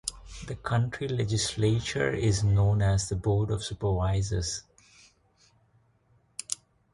The county legislature is known as the Board of Supervisors.